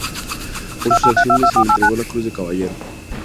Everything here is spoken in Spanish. Por sus acciones, se le entregó la Cruz de Caballero.